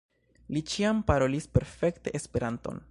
Li ĉiam parolis perfekte Esperanton.